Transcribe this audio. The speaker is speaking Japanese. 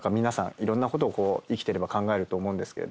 いろんなことを生きてれば考えると思うんですけれど。